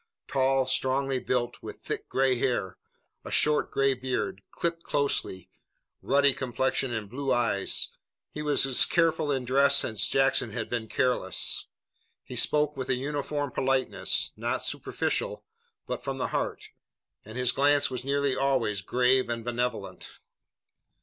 Tall, strongly built, with thick gray hair, a short gray beard, clipped closely, ruddy complexion and blue eyes, he was as careful in dress as Jackson had been careless. He spoke with a uniform politeness, not superficial, but from the heart, and his glance was nearly always grave and benevolent.